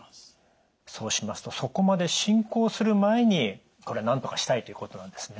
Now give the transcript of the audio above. そうしますとそこまで進行する前にこれなんとかしたいということなんですね。